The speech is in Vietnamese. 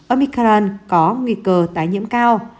omicron có nguy cơ tái nhiễm cao